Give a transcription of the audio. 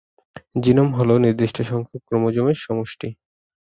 Genome হল নির্দিষ্ট সংখ্যক ক্রোমোজোমের সমষ্টি।